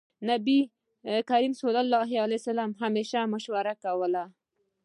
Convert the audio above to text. نبي کريم ص به همېش مشوره کوله.